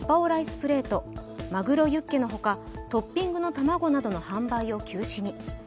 プレート、まぐろユッケの他、トッピングの卵などの販売を休止に。